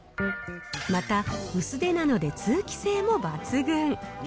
また、薄手なので通気性も抜群。